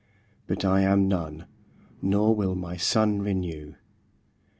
But I am None; nor will my Sunne renew.